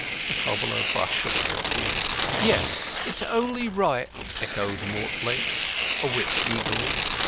The cobbler brushed away a tear. "Yes, it's only right," echoed Mortlake, a whit eagerly.